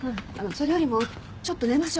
それよりもちょっと寝ましょう。